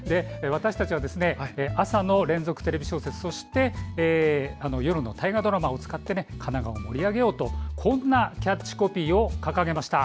私たちは朝の連続テレビ小説そして夜の大河ドラマを使って神奈川を盛り上げようとこんなキャッチコピー掲げました。